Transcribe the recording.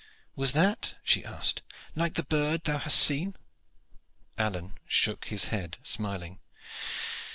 "Was that," she asked, "like the bird which thou hast seen?" Alleyne shook his head, smiling.